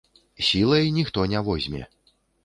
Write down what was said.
Сілай ніхто не возьме.